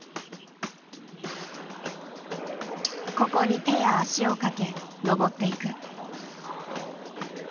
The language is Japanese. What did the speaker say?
ここに手や足をかけ登っていく。